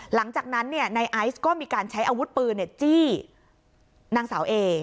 หลังจากนั้นนายไอซ์ก็มีการใช้อาวุธปืนจี้นางสาวเอ